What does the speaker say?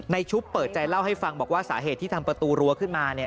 ชุบเปิดใจเล่าให้ฟังบอกว่าสาเหตุที่ทำประตูรั้วขึ้นมาเนี่ย